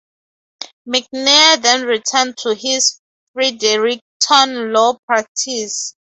McNair then returned to his Fredericton law practice.